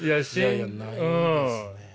いやないですね。